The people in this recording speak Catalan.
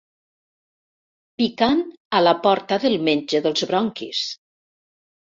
Picant a la porta del metge dels bronquis.